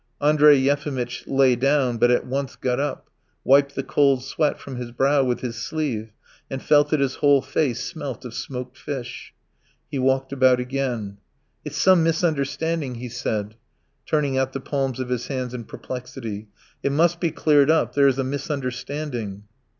Andrey Yefimitch lay down, but at once got up, wiped the cold sweat from his brow with his sleeve and felt that his whole face smelt of smoked fish. He walked about again. "It's some misunderstanding ..." he said, turning out the palms of his hands in perplexity. "It must be cleared up. There is a misunderstanding."